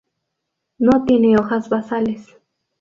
No tiene hojas basales.